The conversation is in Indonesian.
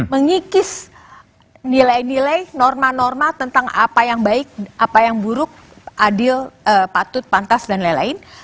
mengikis nilai nilai norma norma tentang apa yang baik apa yang buruk adil patut pantas dan lain lain